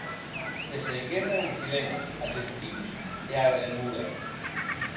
Se seigueren en silenci, atentius e ara demora.